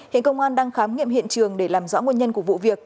hiện công an đang khám nghiệm hiện trường để làm rõ nguồn nhân của vụ việc